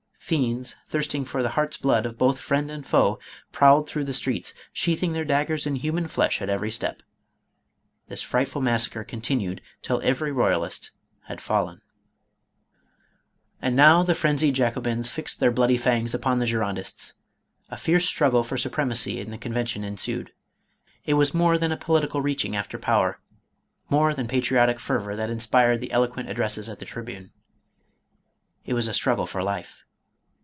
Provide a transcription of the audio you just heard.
Fiends, thirsting for the hearts' blood of both friend and foe, prowled through the streets, sheathing their daggers in human flesh at every step. This frightful massacre continued till every royalist had fallen. And now the phrensied Jacobins fixed their bloody fangs upon the Girondists. A fierce struggle for su premacy in the Convention ensued. It was more than a political reaching after power — more than patriotic fervor that inspired the eloquent addresses at the trib une— it was a struggle for life.